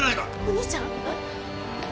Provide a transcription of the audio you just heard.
お兄ちゃん！？